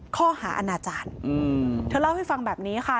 ข้อหาอาณาจารย์เธอเล่าให้ฟังแบบนี้ค่ะ